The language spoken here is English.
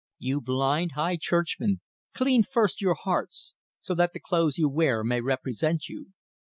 You blind high churchmen, clean first your hearts, so that the clothes you wear may represent you.